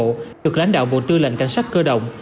tổ chức lãnh đạo bộ tư lệnh cảnh sát cơ động